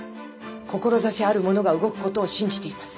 志ある者が動くことを信じています。